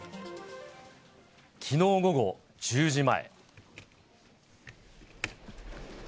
きのう午後１０時前。